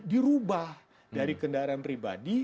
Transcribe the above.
dirubah dari kendaraan pribadi